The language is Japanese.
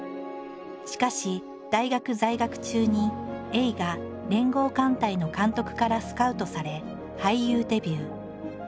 しかし大学在学中に映画「連合艦隊」の監督からスカウトされ俳優デビュー。